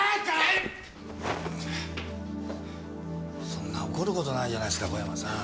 そんな怒る事ないじゃないですか小山さん。